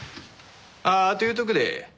あああと言うとくで。